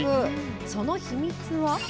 その秘密は？